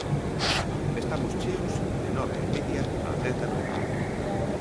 Estamos cheos de nove e media a dez da noite.